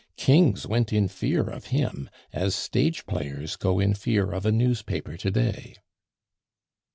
Kings went in fear of him, as stage players go in fear of a newspaper to day."